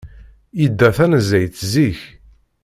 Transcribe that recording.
Yedda tanezzayt zik.